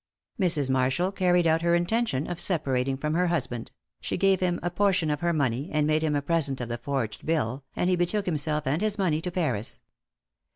Mrs. Marshall carried out her intention of separating from her husband; she gave him a portion of her money, and made him a present of the forged bill, and he betook himself and his money to Paris.